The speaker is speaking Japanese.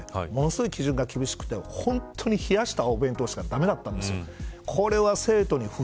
ただ、給食だったのでものすごい基準が厳しくて本当に冷やしたお弁当しか駄目だったんです。